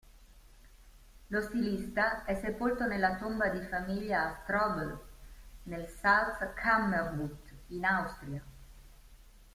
Lo stilista è sepolto nella tomba di famiglia a Strobl nel Salzkammergut in Austria.